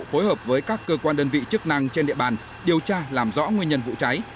phối hợp với các cơ quan đơn vị chức năng trên địa bàn điều tra làm rõ nguyên nhân vụ cháy